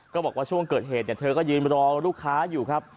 บอกว่าช่วงเกิดเหตุเธอก็ยืนรอลูกค้าอยู่ครับ